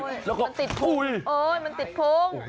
โอ๊ยมันติดพุง